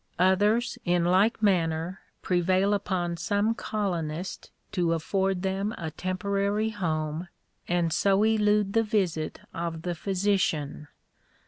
Others in like manner prevail upon some colonist to afford them a temporary home, and so elude the visit of the physician.